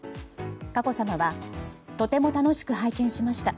佳子さまはとても楽しく拝見しました。